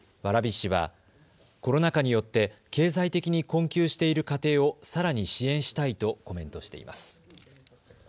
蕨市はコロナ禍によって経済的に困窮している家庭をさらに支援したいとコメントしています。